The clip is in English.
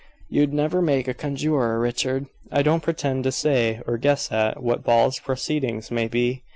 "You'd never make a conjurer, Richard. I don't pretend to say, or guess at, what Ball's proceedings may be.